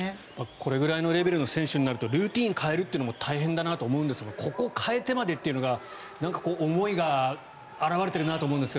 これぐらいのレベルの選手になるとルーチンを変えるというのも大変だなと思うんですがここを変えてまでというのがなんか思いが表れてるなと思うんですが。